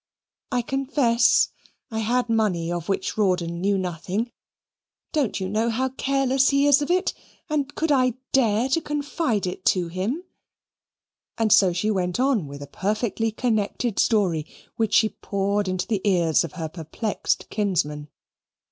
I confess I had money of which Rawdon knew nothing. Don't you know how careless he is of it, and could I dare to confide it to him?" And so she went on with a perfectly connected story, which she poured into the ears of her perplexed kinsman.